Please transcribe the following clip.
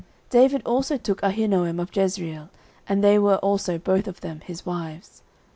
09:025:043 David also took Ahinoam of Jezreel; and they were also both of them his wives.